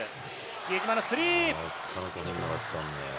比江島のスリー。